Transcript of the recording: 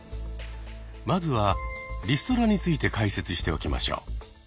まずはリストラについて解説しておきましょう。